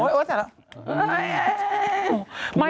โอ๊ยโอ๊ยแสดงแล้ว